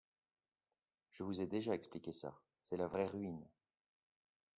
Je vous ai déjà expliqué ça, c’est la vraie ruine...